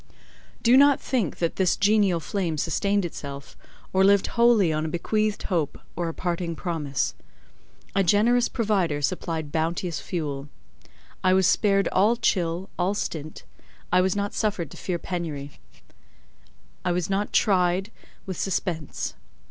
Do not think that this genial flame sustained itself, or lived wholly on a bequeathed hope or a parting promise. A generous provider supplied bounteous fuel. I was spared all chill, all stint; I was not suffered to fear penury; I was not tried with suspense.